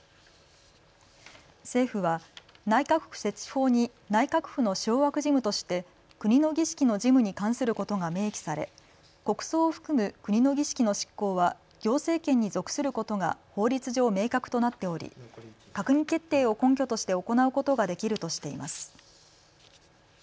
政府は内閣府設置法に内閣府の掌握事務として国の儀式の事務に関することが明記され国葬を含む国の儀式の執行は行政権に属することが法律上、明確となっており閣議決定を根拠として行うことができるとしています。